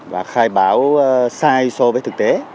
và khai báo sai so với thực tế